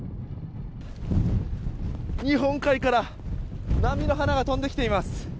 日本海から波の花が飛んできています。